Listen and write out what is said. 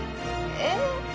えっ？